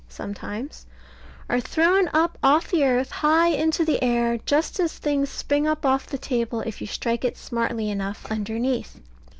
sometimes are thrown up off the earth high into the air, just as things spring up off the table if you strike it smartly enough underneath.